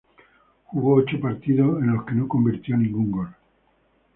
Jugó ocho partidos en los que no convirtió ningún gol.